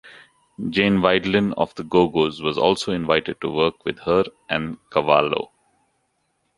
Jane Wiedlin of The Go-Go's was also invited to work with her and Cavallo.